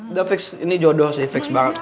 udah fix ini jodoh sih fix banget